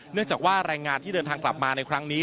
เนื่องจากว่าแรงงานที่เดินทางกลับมาในครั้งนี้